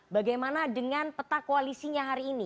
bagaimana dengan peta koalisinya hari ini